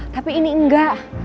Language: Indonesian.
tapi ini enggak